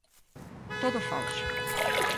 Todo falso.